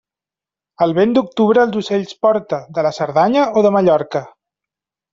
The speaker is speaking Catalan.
El vent d'octubre els ocells porta, de la Cerdanya o de Mallorca.